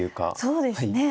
そうですね。